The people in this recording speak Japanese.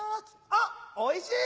あっおいしい！